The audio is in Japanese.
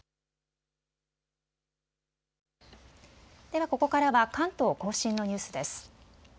ではここからは関東甲信のニュースです。